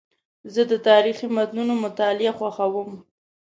زه د تاریخي متونو مطالعه خوښوم.